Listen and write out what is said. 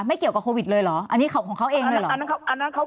ไม่เกี่ยวกับโควิดเลยหรออันนี้ของเขาเองด้วยหรออันนั้นเขา